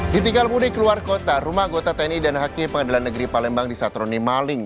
ditinggal mudik keluar kota rumah anggota tni dan hakir pengadilan negeri palembang di satroni maling